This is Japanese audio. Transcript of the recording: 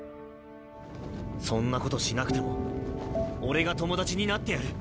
そんなことしなくても俺が友達になってやる。